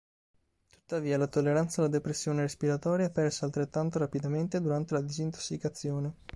Tuttavia, la tolleranza alla depressione respiratoria è persa altrettanto rapidamente durante la disintossicazione.